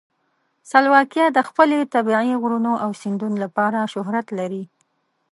سلواکیا د خپل طبیعي غرونو او سیندونو لپاره شهرت لري.